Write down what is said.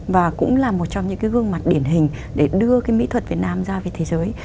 và cũng là một trong những cái gương mặt điển hình để đưa cái mỹ thuật việt nam ra về thế giới